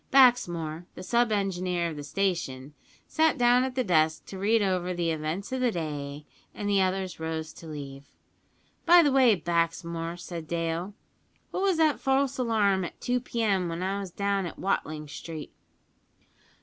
Baxmore, the sub engineer of the station, sat down at the desk to read over the events of the day, and the others rose to leave. "By the way, Baxmore," said Dale, "what was that false alarm at 2 p.m. when I was down at Watling Street?"